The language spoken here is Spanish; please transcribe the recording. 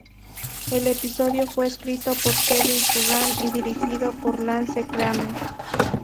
El episodio fue escrito por Kevin Curran y dirigido por Lance Kramer.